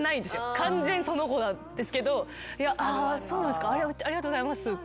完全その子なんですけどそうなんすかありがとうございますって。